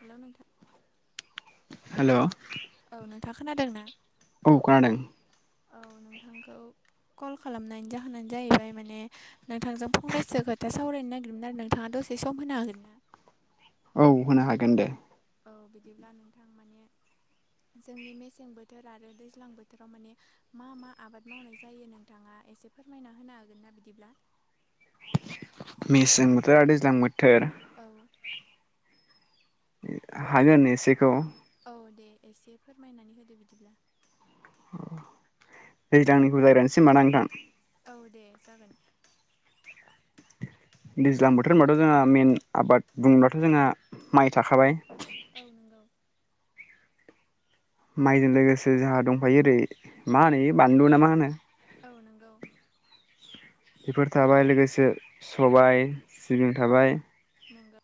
हेल' नोंथां हेल' औ नोंथाङ खोनादों ना औ खोनादों औ नोंथांखौ कल खालामनायनि जाहोनानो जाहैबाय माने नोंथांजों फंनैसो खोथा सावरायनो नागिरदोंमोन आरो नोंथाङा दसे से सम होनो हागोन ना औ होनो हागोन दे औ बिदिब्ला नोंथां माने जोंनि मेसें बोथोर आरो दैज्लां बोथोराव माने मा मा आबाद मावनाय जायो नोंथाङा एसे फोरमायना होनो हागोन ना बिदिब्ला मेसें बोथोर दैज्लां बोथोर औ हागोन एसेखौ औ दे एसे फोरमायनानै होदो बिदिब्ला अ दैज्लांनिखौ जागायनोसै होमबा ना नोंथां औ दे जागोन दैज्लां बोथोर होनबाथ' जोंहा मेन आबाद बुङोबथ' जोंहा माइ थाखाबाय औ नोंगौ माइजों लोगोसे जोंहा दंफायो ओरै मा होनो बानलु ना मा होनो औ नंगौ बेफोर औ थाबाय लोगोसे सबाय सिबिं थाबाय नोंगौ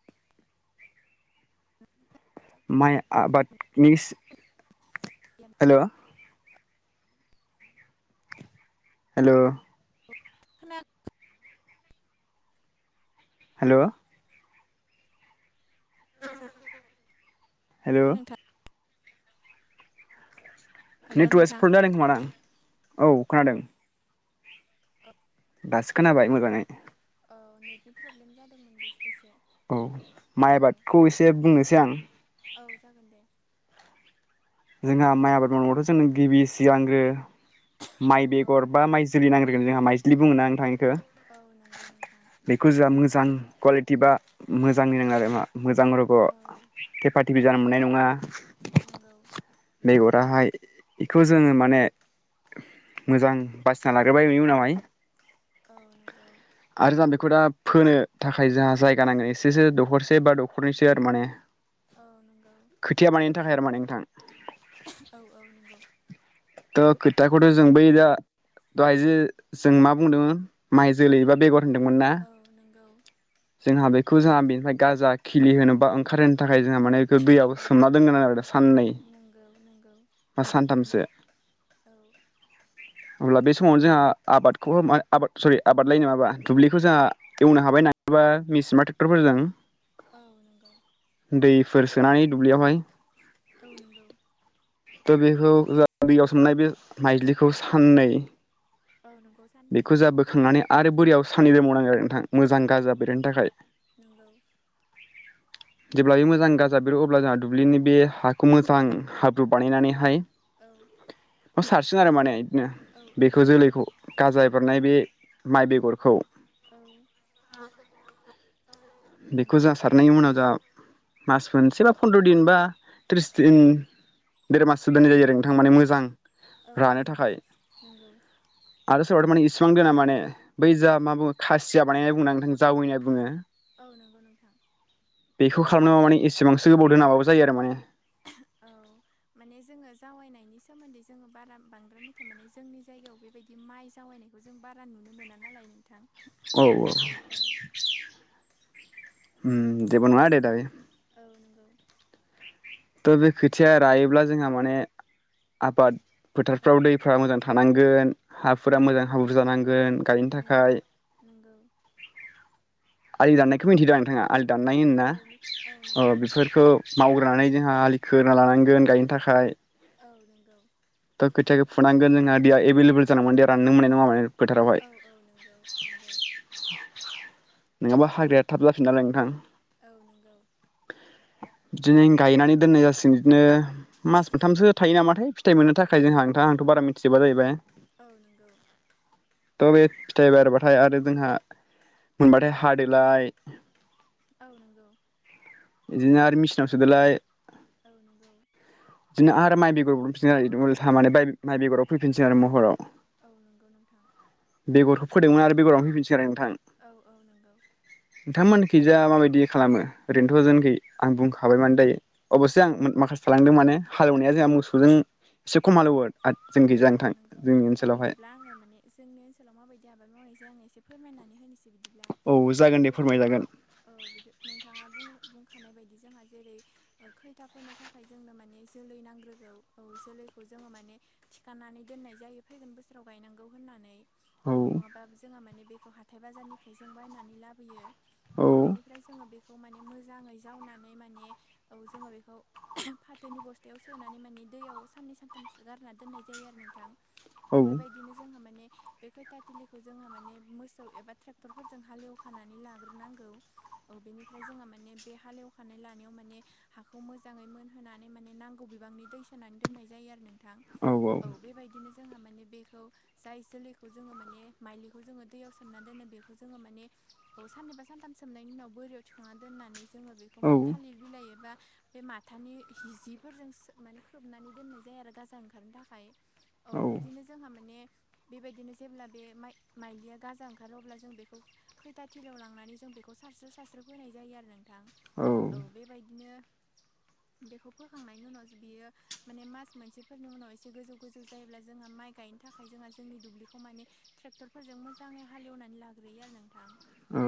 माइ आबादनिस हेल' हेल' खोनायाखै हेल' हेल' नोंथां हेलौ नेटवार्स नोंथां प्रबेम जादों खोमा आं औ खोनादों अ दासो खोनाबाय मोजांयै औ नेटनि प्रब्लेम जादोंमोन बेसे बेसे औ ए बुंनोसै आं औ जागोन दे जोंहा माइ आबाद मावनांगाथ' जोंनो गिबि सिगांग्रो औ माइ औ बेगर बा माइ जोलै नांग्रोगोन जोंहा माइज्लि बुंङो ना इखो औ नंगौ नोंथां बेखौ जोंहा मोजां कुवालिटि बा मोजां नायनांगोन आरो मा मोजां र औ थेफा टिफि जानो मोननाय नङा नोंगौ बेगराहाय बेखौ जोङो माने मोजां बासिना लाग्रोबाय बिनि उनावहाय औ नोंगौ आरो जोंहा बेखौ दा फोनो थाखाय जोंहा जायगा नांगोन एसेसो दखरसे बा दखरनैसो आरो माने औ नंगौ खोथिया बानायनायनि थाखाय आरो माने नोंथां औ औ नंगौ त खोथाखौथ' जों बै दा दहाय जे जों मा बुंदों माइ जोलैबा बेगर होनदोंमोन ना औ नंगौ जोंहा बेखौ जोंहा बेनिफ्राय गाजा खिलि होनो बा ओंखारहोनो थाखाय जोंहा माने बे दैयबो औ सोमना दोनगोन आरो दा साननै नंगौ नंगौ बा सानथामसो औ अब्ला बे समावनो जोंहा आबादखौ आबाद सरि आबाद लायनो माबा दुब्लिखौ जोंहा एवनो हाबाय नङा होमबा मिसिन ट्रेक्टरफोरजों औ नंगौ दैफोर सोनानै दुब्लियावहाय औ नंगौ त' बेखौ ज दैयाव सोमनाय बे औ माइज्लिखौ साननै औ नंगौ साननै बेखौ जाबोखांनानै आरो बोरियाव सानल मावावनांगो आरो नोंथां मोजां औ गाजा बेरहोनो थाखाय [unintelligible] जेब्ला बे मोजां गाजा बेरो अब्ला जोंहा दुब्लिनि बे हाखौ मोजां हाब्रु बानायनानैहाय औ बे सारसिन आरो माने बिदिनो औ औ बेखौ नंगौ जोलैखौ औ साजायबरनाय बे माइ बेगरखौ औ बेखौ नंगौ जासार नायनि उनाव जोंहा मास मोनसे बा फन्द्र' दिन बा थ्रिस दिन देर माससो दोननि औ जायो आरो नोंथां मोजां औ औ रानो नंगौ थाखाय नंगौ आरो सोरबाथ माने इसिबां दोना माने बै जा मा बुङो खासिया बानायनाय बुंङो ना नोंथां जावै बुङो औ नंगौ नोंथां बेखौ खालामनोबा माने एसेबांसो गोबाव दोनाबाबो जायो आरो माने औ माने जोङो जावैनायनि सोमोन्दै जोङो बारा बांद्राय मिथिया माने जोंनि जायगायाव बेबायदि बे माइ जावैनायखौ जों बारा नुनो मोना नालाय नोंथां औ औ जेबो नङा दे औ नंगौ थ' बे खोथिया रायोब्ला जोंहा माने आबाद औ फोथारफ्राव दैफ्रा मोजां थानांगोन हाफोरा नंगौ मोजां हाब्रु जानांगोन गायनो थाखाय नोंगौ आलि दाननायख मिथियोदा नोंथांङा आलि दाननाय औ होनना औ मिथि औ नंगौ नोंथां बेफोरखौ मावग्रोनानै जोंहा आलि खोना लानांगोन गायनो थाखाय थाखाय औ नंगौ थ' खोथियाखौ फुनांगोन जोंहा दैया एभेलेबल जानांगोन दे रानदों मोननाय नङा माने फोथारावहाय औ औ नंगौ नंगौ नङाबा हाग्राया थाब जाफिनो नालाय नोंथां औ नंगौ बिदिनो गायनानै दोननाय जासिगोन बिदिनो मास औ मोनथामसो थायो नामाथाय फिथाइ मोननो थाखाय जोंहा नोंथां आंथ' बारा मिथिजोबा जाहैबाय नोंगौ थ' बे फिथाइ बारबाथाय आरो जोंहा मोनबाथाय हादोलाय औ नंगौ औ नंगौ बिदिनो आरो मेचिनाव सोदोलाय औ नंगौ बिदिनो आरो माइ बेगरबोफिन आरो म माइ बेगराव फैफिनसै आरो महराव औ नंगौ नोंथां बेगरखौ फोदोंमोन आरो बेराव फैफिनसिगोन आरो नोंथां औ औ नोंगौ नोंथांमोनखै जा माबायदि खालामो ओरैनोथ' होजेनखै आं बुंखाबाय औ मानो दायो अबस्से औ आं माखासे थालांदों माने हालेवनाया जोंहा मोसौजों एसे औ खमाल' औ वार्ड आरो जों गैजानो थां जोंनि ओनसोलावहाय दा आङो माने जोंनि ओनसोलाव माबायदि आबाद मावनाय जायो आङो एसे फोरमायनानै होनोसै बिदिब्ला औ जागोन दे बेबायदिनो फोरमायजागोन औ बिदि नोंथाङा बुंखानाय बायदि जोंहा जेरै खैथा फोनो थाखाय जोंनो माने जोलै नांग्रोगौ औ जोलै खौ जोङो माने थिखनानै दोननाय जायो फैगोन बोसोराव गायनांगौ होननानै औ नङा बा जोंहा माने बेखौ हाथाय बाजारनिफ्राय जों बायनानै लाबोयो औ बेनि ओमफ्राय जोङो बेखौ माने मोजाङै जावनानै माने औ जोङो बेखौ फाथोनि बस्थायाव सोनानै माने दैयाव सान सनै सान थो गारना दोननाय जायो आरो नोंथां औ बेबायदि बिदिनो जोंहा माने बे खैथा थिलिखौ जोंहा माने मोसौ एबा ट्रेक्टर फोरजों हालेव फोखानानै लाग्रोनांगौ औ बेनिफ्राय जोंहा माने बे हालेवखानाय लानायाव माने हाखौ मोजाङै मोनहोनानै माने नांगौ बिबांनि थां दै सोनानै दोननाय जायो आरो नोंथां औ बेबायदिनो जोंहा माने बेखौ जाय जोलैखौ जोङो माने माइलिखौ जोङो दैयाव सोमना दोनो बेखौ जोङो माने औ सानैबा सानथाम सोमनायनि उनाव बोरियाव थिखांना दोननानै जोङो बेखौ औ बेखौ माने थालिर बिलाइबा बे माथानि हजफोरजों माने खोबनानै दोननाय जायो आरो गाजा ओंखारनो थाखाय औ बिदिनो जोंहा माने बेबायदिनो जेब्ला बे माइ माइदिया गाजा ओंखारो अब्ला जों बेखौ खैथा थिलियाव लांनानै जों बेखौ बेखौ सारस्रो सारस्रो बोनाय जायो आरो नोंथां औ बेबायदिनो बेखौ फोखांनायनि उनाव बियो माने मास मोनसे फोरनि उनाव एसे गोजौ गोजौ जायोब्ला जोंहा माइ गायनो थाखाय जोंहा जोंनि दुब्लिखौ मानि ट्रेक्टर फोरजों मोजाङै हालेवनानै लाग्रोयो आरो नोंथां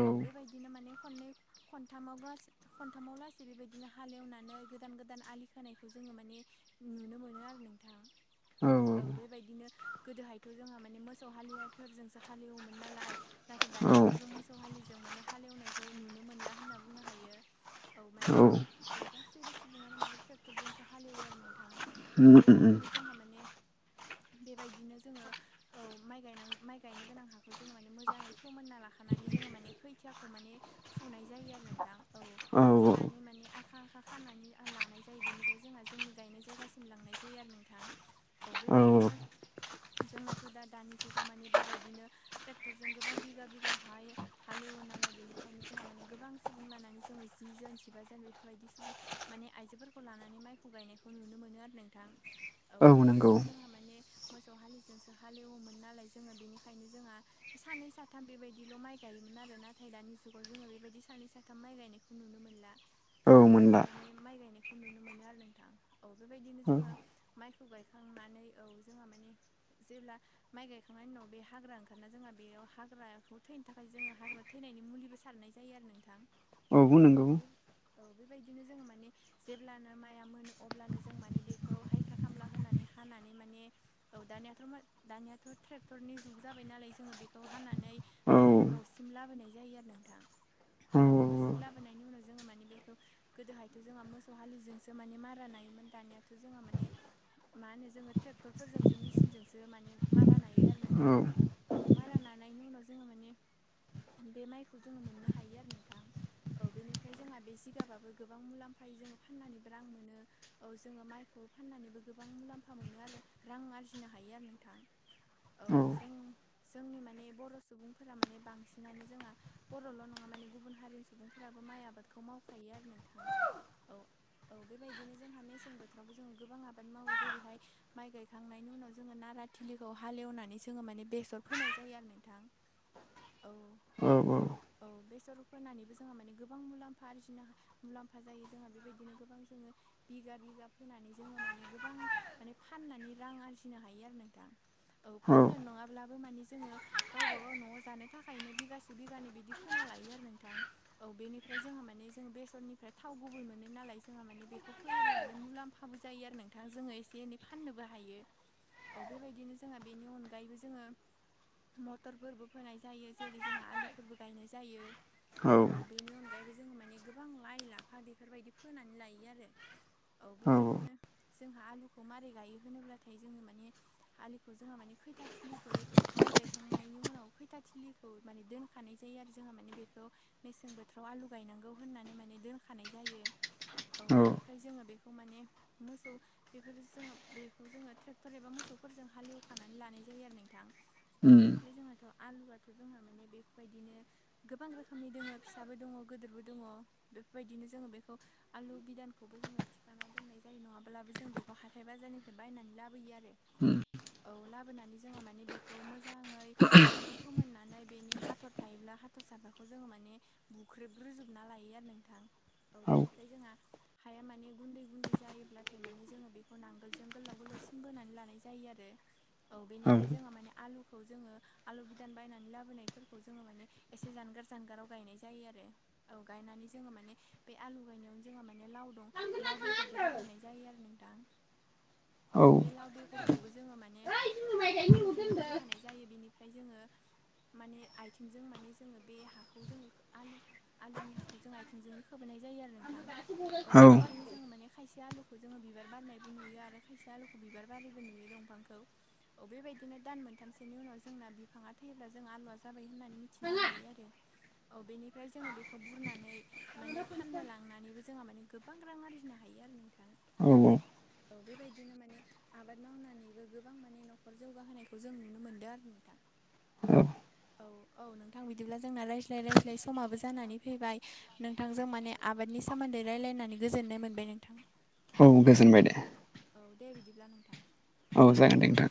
औ बेबायदिनो माने खननै खनथामाव गास खनथामाव लासै बेबायदिनो हालेवनानै गोदान गोदान आलि खोनायखौ जोङो माने नुनो मोनो आरो नों दा औ बेबायदिनो गोदोहायथ' जोंहा माने मोसौ हालेवनायफोरजोंसो हालेवोमोन नालाय नाथाय दानियाथ' जों मोसौ हालिजों माने हालेवनायखौ नुनो मोनला होनना बुंनो हायो औ माने औ गासैबो सुबुङानो माने ट्रेक्टरजोंसो हालेवो आरो नोंथां औ बेबायदिनो जोंहा माने बेबायदिनो जोङो औ माइ गायन माइ गायनो गोनां हाखौ जों माने मोजाङै फोमोनना लाखानानै जोङो माने खै खोथियाखौ माने फुनाय जायो आरो नोंथां औ फुनानै माने आखा आखा खानानै लानाय जायो बेनिफ्राय जोंहा जोंनि गायनाय जायगासिम लांनाय जायो थै आरो नोंथां औ बेबायदिनो जोंनाथ' दा दानि जुगाव मानि बेबायदिनो ट्रेक्टरजों गोबां बिगा बिगा हा हालेवो नालाय बेनिखायनो जोंहा माने गोबां सुबुं लानानै जोङो जि जोन जिबाजोन बेफोर बायदि सुब माने आइजोफोरखौ लानानै माइखौ गायनायखौ नुनो मोनो आरो नों थां औ गोदोहायथ' जोंहा माने मोसौ हालिजोंसो हालेवोमोन नालाय जोङो बेनिखायनो जोंहा सानै साथाम साथाम बेबायदिल' माइ गायोमोन आरो नाथाय दानि जुगाव जोङो बेबायदि सानै साथाम माइ गायनायखौ नुनो मोनला औ गोबां गोबां मोनला माने माइ गायनायखौ नुनो मोनो आरो नोंथां औ बेबायदिनो औ जोङो माइखौ गायखांनानै औ जोङो माने जेब्ला माइ गायखांनायनि उनाव बे हाग्रा ओंखारना जोंहा बेयाव हाग्राखौ थैनो थाखाय जोङो हाग्रा थैनायनि मुलिबो सारनाय जायो आरो नोंथां औ बे औ बेबायदिनो जों माने जेब्लानो माइआ मोनो अब्लानो जों माने बे खौ हायजिर खामला होनानै हानानै माने औ दानियाथ' दानियाथ' ट्रेक्टरनि जुग जाबाय नालाय जोङो बेखौ हानानै औ माने न'सिम लाबोनाय जायो आरो नोंथां औ न'सिम लाबोनायनि उनाव जोङो माने बेखौ गोदोहायथ' जोंहा मोसौ हालिजोंसो माने मारा नायोमोन दानियाथ' जोंहा माने मा होनो जोङो ट्रेक्टरफोरजोंसो मेसिनजोंसो माने मारा नायो आरो औ नोंथां औ मारा नानायनि उनाव जोङो माने बे माइखौ जोङो मोननो हायो आरो नोंथां औ बेनिफ्राय जोंहा बे जिगाबाबो गोबां मुलाम्फायो जोङो फाननानैबो रां मोनो औ जोङो माइखौ फाननानैबो गोबां मुलाम्फा मोनो आरो रां आरजिनो हायो आरो नोंथां औ जों जोंनि माने बर' सुबुंफोरा माने बांसिनानो जोंहा बर'ल' नङा माने गुबुन हारिनि सुबुंफोराबो माइ आबादखौ मावखायो आरो नोंथां औ औ बेबायदिनो जोंहा मेसें बोथोरावबो जोंङो गोबां आबाद मावो जेरैहाय माइ गायखांनायनि उनाव जोङो नारा थिलिखौ हालेवनानै जोङो माने बेसर फोनाय जायो आरो नोंथां औ औ औ औ बेसर फोनानैबो जोंहा माने गोबां मुलाम्फा आरजिनो हाया मुलाम्फा जायो जोंहा बेबायदिनो गोबां जोङो बिगा बि फोनानै जोङो माने गोबां माने फाननानै रां आरजिनो हायो आरो नोंथां औ फाननो नङाब्ला मानि जोङो गावबा गाव न'आव जानो थाखायनो बिगासे बिगानि बिदि फोना लायो आरो नोंथां औ बेनिफ्राय जोङहा माने जोङो बेसरनिफ्राय थाव गुबुन मोनो नालाय जोंहा माने बेखौ फैयोब्ला माने माने मुलाम्फाबो जायो आरो नोंथां जोङो एसे एनै फाननोबो हायो औ बेबायदिनो जोङो बेनि अनगायैबो जोङो मटरफोरबो फोनाय जायो जेरै जोङो आलुफोरबो गायनाय जायो औ बेनि अनगायैबो जोङो माने गोबां लाइ लाफा बेफोरबायदि फोनानै लायो आरो औ बेबायदिनो जोंहा आलुखौ मारै गायो होनोब्लाथाय जोङो माने आलिखौ जोंहा माने खैथा थिलिखौ माइ गायखांनायनि उनाव खैथा थिलिखौ माने दोनखानाय जायो आरो जोंहा माने बेखौ मेसें बोथोराव आलु गायनांगौ होननानै माने दोनखानाय जायो औ बेनिफ्राय जोङो बेखौ खौ माने मोसौ बेफोर जोङो बेखौ जोङो ट्रेक्टर एबा मोसौफोरजों हालेवखानानै लानाय जायो आरो नोंथां औ उम बेनिफ्राय जोंहाथ' आलुआथ' जोंहा माने बेफोरबायदिनो गोबां रोखोमनि दोङो फिसाबो दङ गोदोरबो दङ बेफोरबायदिनो जोङो बेखौ आलु बिदानखौबो जोङो थिखाना दोननाय जायो नङाब्लाबो जों बेखौ हाथाय बाजारनिफ्राय बायनानै लाबोयो आरो उम औ लाबोनानै जोंहा माने बेखौ मोजाङै हाखौ फोमोननानै बेनि हा हाथर थायोब्ला हाथरसाफोरखौ जोङो माने बुख्रेबग्रोजोबना लायो आरो नोंथां औ बेनिफ्राय जोंहा हाया माने गुन्दै गुन्दै जायोब्लाथाय माने जोङो बेखौ नांगोलजों गोलाव गोलावसिन बोनानै लानाय जायो आरो औ बेनिफ्राय जोङो माने आलुखौ जोङो आलु बिदान बायनानै लाबोनायफोरखौ जोङो माने एसे जानगार जानगाराव गायनाय जायो आरो औ गायनानै जोङो माने बे आलु गायनायावनो जोङो माने लाव दं लाव बेगरबो होफानाय जायो आरो नोंथां औ बे लाव बेर हरखौबो जोङो माने आलुजोंनो होफानाय जायो बिनिफ्राय जोङो माने आथिंजों माने जोङो बे हाखौ जोङो आलु आलुनि हाखौ जों आथिंजोंनो खोबोनाय जायो आरो नोंथां औ बे बिदिनो जोङो माने खायसे आलुखौ जोङो बिबार बारनायबो नुयो आरो खायसे आलुखौ बिबार बारिबो नुयो दंफांखौ अ बेबायदिनो दान मोनथामसोनि उनाव जोंना बिफाङा थैयोब्ला जों आलुआ जाबाय होननानै मिथिनो हायो आरो औ बेनिफ्राय जोङो बेखौ बुरनानै माने फाननो लांनानैबो जोंहा माने बांग्रां आरजिनो हायो आरो नोंथां औ बेबायदिनो माने आबाद मावनानैबो गोबां माने न'खर जौगाहोनायखौ जों नुनो मोनदों आरो नोंथां औ औ औ नोंथां बिदिब्ला जोंना रायज्लाय रायज्लाय समाबो जानानै फैबाय नोंथांजों माने आबादनि सोमोन्दै रायजलायनानै गोजोननाय मोनबाय नोंथां औ गोजोनबाय दे औ दे बिदिब्ला नोंथां। औ जागोन दे नोंथां।